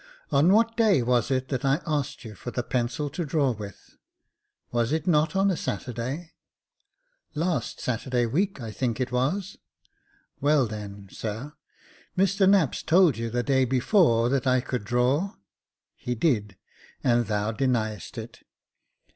On v/hat day was it that I asked you for the pencil to draw with ? "Was it not on a Saturday ?"Last Saturday week, I think it was." "Well, then, sir, Mr Knapps told you the day before, that I could draw ?"He did ; and thou deniedst it."